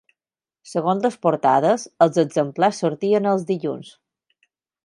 Segons les portades, els exemplars sortien els dilluns.